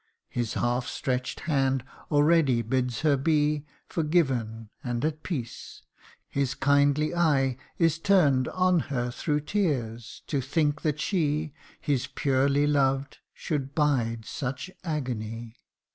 His half stretch'd hand already bids her be Forgiven and at peace his kindly eye Is turn'd on her through tears, to think that she, His purely loved, should bide such agony.